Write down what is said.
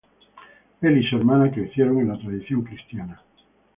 El y su hermana crecieron en la tradición cristiana.